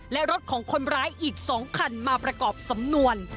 และรถของคนร้ายอีก๒คันมาประกอบสำนวน